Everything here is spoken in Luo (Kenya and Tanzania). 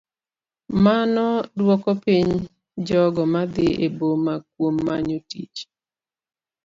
Mano duoko piny jogo madhi e boma kuom manyo tich.